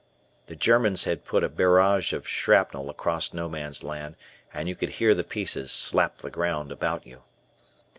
The Germans had put a barrage of shrapnel across No Man's Land, and you could hear the pieces slap the ground about you.